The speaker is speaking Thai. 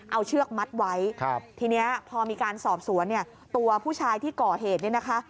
เอาเชือกมัดไว้ครับทีนี้พอมีการสอบสวนเนี่ยตัวผู้ชายที่ก่อเหตุเนี่ยนะคะ